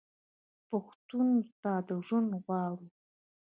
پښتون ته ژوندون غواړو.